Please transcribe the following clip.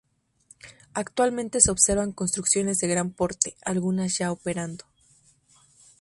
Actualmente se observan construcciones de gran porte, algunas ya operando.